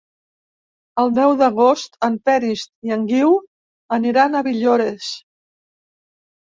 El deu d'agost en Peris i en Guiu aniran a Villores.